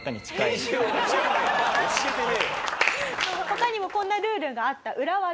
他にもこんなルールがあった裏技